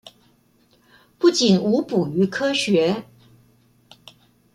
不僅無補於科學